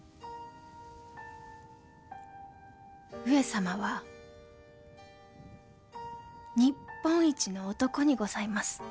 上様は日本一の男にございます。